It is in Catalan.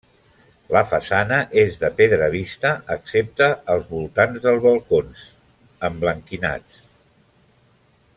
La façana és de pedra vista excepte els voltants dels balcons emblanquinats.